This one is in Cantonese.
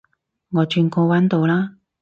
我轉個彎到啦